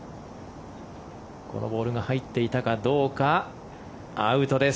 このボールが入っていたかどうかアウトです。